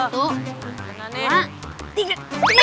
tahun nyara kita